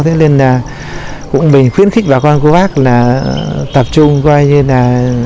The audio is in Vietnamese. thế nên là mình khuyến khích bà con của bác là tập trung coi như là